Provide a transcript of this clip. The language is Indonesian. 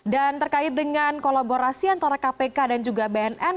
dan terkait dengan kolaborasi antara kpk dan juga bnn